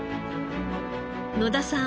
野田さん